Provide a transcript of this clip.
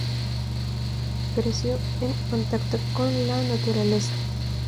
Creció en contacto con la naturaleza.